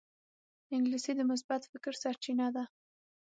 انګلیسي د مثبت فکر سرچینه ده